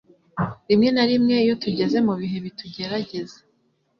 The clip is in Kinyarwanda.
Rimwe na rimwe iyo tugeze mu bihe bitugerageza